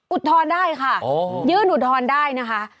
อุดทอนได้ค่ะยื่นอุดทอนได้นะคะ